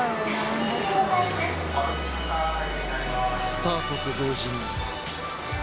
スタートと同時に。